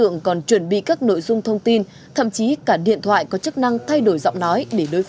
nhiều sim điện thoại điện thoại có chức năng thay đổi giọng nói